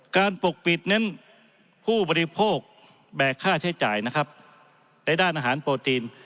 ปกปิดเน้นผู้บริโภคแบกค่าใช้จ่ายนะครับในด้านอาหารโปรตีน